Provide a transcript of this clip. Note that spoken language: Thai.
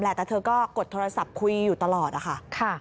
แต่เธอก็กดโทรศัพท์คุยอยู่ตลอดอะค่ะ